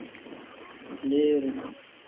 Aleere.